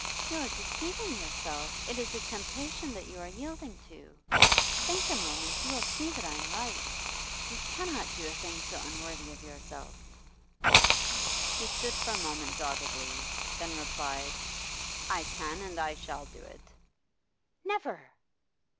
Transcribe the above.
You are deceiving yourself; it is a temptation that you are yielding to. Think a moment; you will see that I am right. You cannot do a thing so unworthy of yourself.' He stood for a moment doggedly, then replied: 'I can and I shall do it.' 'Never!